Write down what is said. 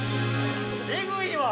「えぐいわ！」